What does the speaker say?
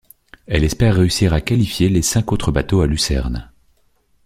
Elle espère réussir à qualifier les cinq autres bateaux à Lucerne.